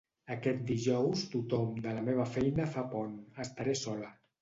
Aquest dijous tothom de la meva feina fa pont, estaré sola.